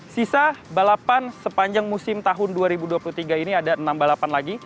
sisa balapan sepanjang musim tahun dua ribu dua puluh tiga ini ada enam balapan lagi